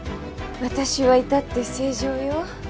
私はいたって正常よ。